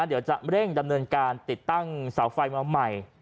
เดี๋ยวจะเร่งดำเนินการติดตั้งเสาไฟมาใหม่